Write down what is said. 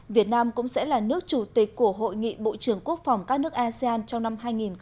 việt nam cũng sẽ là nước chủ tịch của hội nghị bộ trưởng quốc phòng các nước asean trong năm hai nghìn hai mươi